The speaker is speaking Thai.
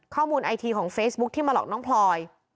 ไอทีของเฟซบุ๊คที่มาหลอกน้องพลอย